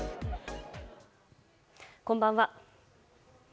こんばんは。